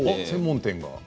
専門店が？